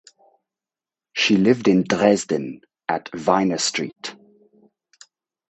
She lived in Dresden at Wiener Str.